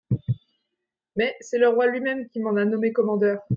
Mais c’est le roi lui-même qui m’en a nommé commandeur.